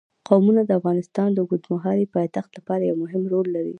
قومونه د افغانستان د اوږدمهاله پایښت لپاره یو مهم رول لري.